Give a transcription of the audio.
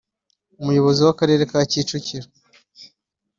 Umuyobozi w’Akarere ka Kicukiro